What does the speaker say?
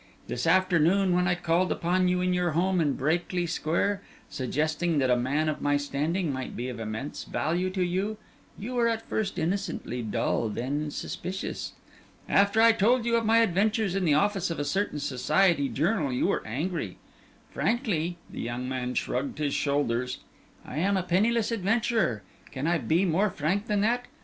This afternoon when I called upon you in your home in Brakely Square, suggesting that a man of my standing might be of immense value to you, you were at first innocently dull, then suspicious. After I told you of my adventures in the office of a certain Society journal you were angry. Frankly," the young man shrugged his shoulders, "I am a penniless adventurer can I be more frank than that?